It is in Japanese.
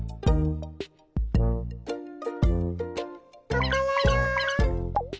ここだよ！